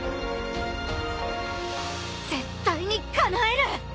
絶対にかなえる！